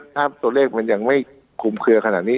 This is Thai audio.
ถ้าตัวเลขมันยังไม่คุมเคลือขนาดนี้